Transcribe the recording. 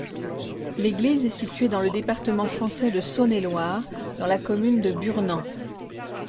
L'église est située dans le département français de Saône-et-Loire, dans la commune de Burnand.